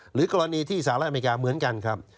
หรือกรณีที่สหรัฐอเมริกาเหมือนกันครับ